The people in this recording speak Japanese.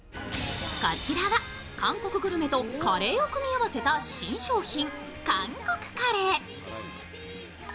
こちらは韓国グルメとカレーを組み合わせた新商品。